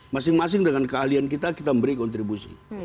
masing masing dengan keahlian kita kita memberi kontribusi